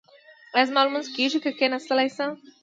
ایا زما لمونځ کیږي که کیناستلی نشم؟